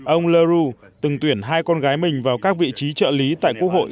ông leroux từng tuyển hai con gái mình vào các vị trí trợ lý tại quốc hội